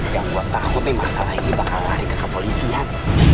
yang buat takut nih masalah ini bakal lari ke kepolisian